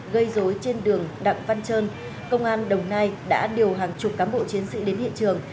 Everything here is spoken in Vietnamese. gây dối trên đường đặng văn trơn công an đồng nai đã điều hàng chục cán bộ chiến sĩ đến hiện trường